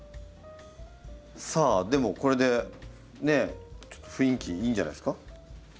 さあでもこれでねちょっと雰囲気いいんじゃないですか？